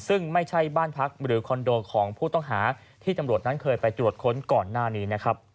ซึ่งไม่ใช่บ้านพักหรือคอนโดของผู้ต้องหาที่ตำรวจนั้นเคยไปตรวจค้นก่อนหน้านี้นะครับ